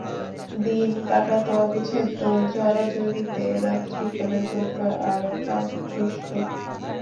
দিন কাটতো অবিচ্ছেদ্য জড়াজড়িতে, রাত্রি করে তুলত আরও কামতৃষ্ণ।